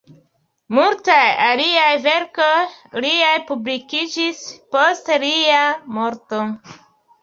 Multaj aliaj verkoj liaj publikiĝis post lia morto.